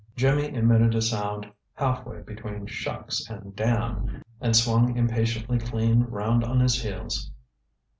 Jimmy emitted a sound halfway between "Shucks" and "Damn" and swung impatiently clean round on his heels.